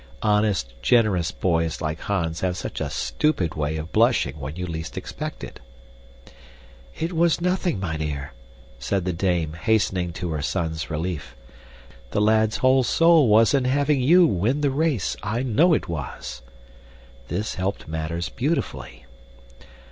Honest, generous boys like Hans have such a stupid way of blushing when you least expect it. "It was nothing, mynheer," said the dame, hastening to her son's relief. "The lad's whole soul was in having you win the race, I know it was!" This helped matters beautifully.